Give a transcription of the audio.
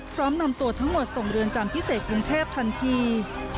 พร้อมนำตัวทั้งหมดส่งเรือนจำพิเศษกรุงเทพทันที